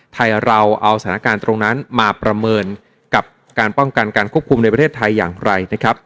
ไทยเราเอาสถานการณ์ตรงนั้นมาประเมินกับการป้องกันการควบคุมในประเทศไทยอย่างไรนะครับ